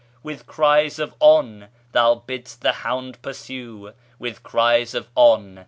With cries of ' On !' Thou bid'st the hound pursue ; With cries of ' On